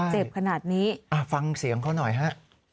ฟังเสียงเขาหน่อยฮะ